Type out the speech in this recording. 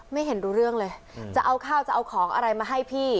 ไม่เห็นรู้เรื่องเลยจะเอาข้าวจะเอาของอะไรมาให้พี่